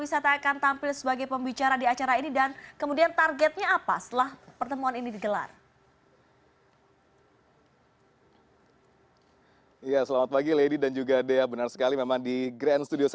setelah pertemuan ini digelar